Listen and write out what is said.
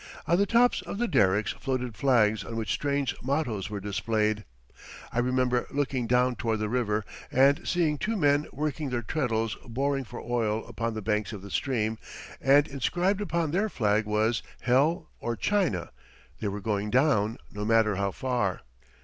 On the tops of the derricks floated flags on which strange mottoes were displayed. I remember looking down toward the river and seeing two men working their treadles boring for oil upon the banks of the stream, and inscribed upon their flag was "Hell or China." They were going down, no matter how far.